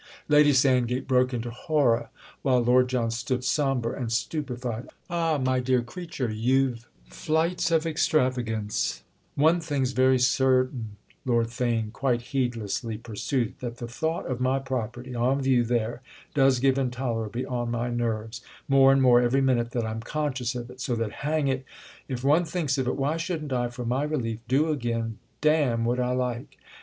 Lady Sandgate broke into horror while Lord John stood sombre and stupefied. "Ah, my dear creature, you've flights of extravagance——!" "One thing's very certain," Lord Theign quite heedlessly pursued—"that the thought of my property on view there does give intolerably on my nerves, more and more every minute that I'm conscious of it; so that, hang it, if one thinks of it, why shouldn't I, for my relief, do again, damme, what I like?